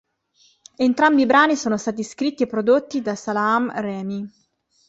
Entrambi i brani sono stati scritti e prodotti da Salaam Remi.